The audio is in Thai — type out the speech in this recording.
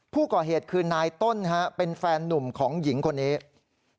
ผู้ก่อเหตุคือนายต้นเป็นแฟนนุ่มของหญิงคนนี้